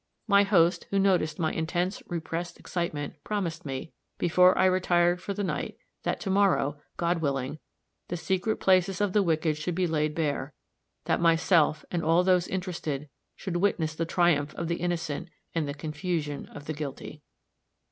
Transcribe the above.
My host, who noticed my intense, repressed excitement, promised me, before I retired for the night, that to morrow, God willing, the secret places of the wicked should be laid bare that myself and all those interested should witness the triumph of the innocent and the confusion of the guilty.